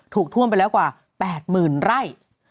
ท่วมไปแล้วกว่า๘๐๐๐ไร่